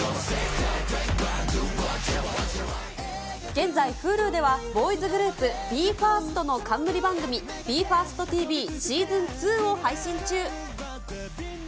現在、Ｈｕｌｕではボーイズグループ、ＢＥ：ＦＩＲＳＴの冠番組、ＢＥ：ＦＩＲＳＴＴＶＳｅａｓｏｎ２を配信中。